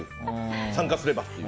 参加すればっていう。